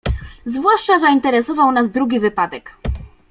"Zwłaszcza zainteresował nas drugi wypadek."